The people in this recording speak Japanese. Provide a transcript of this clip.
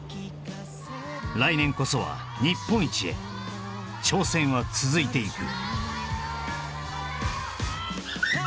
来年こそは日本一へ挑戦は続いていく・